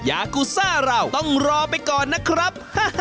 ยากูซ่าเราต้องรอไปก่อนนะครับ